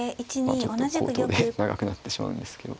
まあちょっと口頭で長くなってしまうんですけど。